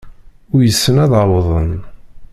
Uysen ad awḍen.